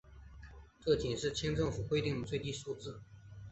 这仅是清政府规定的最低数字。